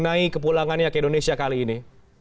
apa yang memaknai kepulangannya ke indonesia kali ini